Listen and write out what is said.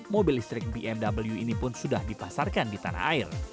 mobil listrik bmw ini pun sudah dipasarkan di tanah air